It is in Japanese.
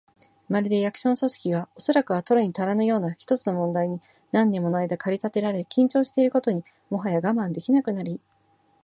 まるで、役所の組織が、おそらくは取るにたらぬような一つの問題に何年ものあいだ駆り立てられ、緊張していることにもはや我慢できなくなり、